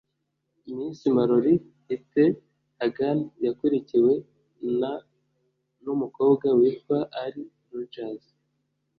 Miss Mallory Hytes Hagan yakurikiwe na n’umukobwa witwa Ali Rogers